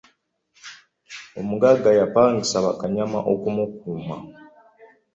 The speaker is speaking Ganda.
Omuggaga yapangisa bakanyama okumukuuma.